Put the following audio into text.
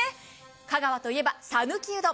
香川といえばさぬきうどん。